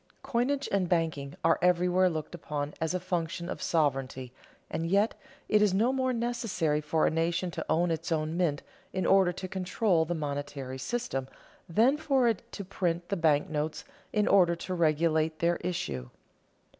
Coinage and banking are everywhere looked upon as a function of sovereignty, and yet it is no more necessary for a nation to own its own mint in order to control the monetary system than for it to print the bank notes in order to regulate their issue.